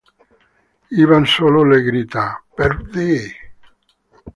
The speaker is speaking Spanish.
Ivan solo le grita: "¡Perdí!